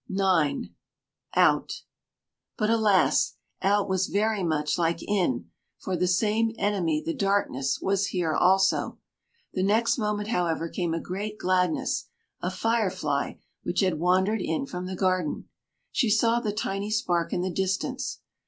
IX. OUT. But, alas! out was very much like in, for the same enemy, the darkness, was here also. The next moment, however, came a great gladness a fire fly, which had wandered in from the garden. She saw the tiny spark in the distance.